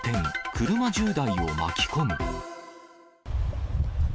車１０台を巻き込む。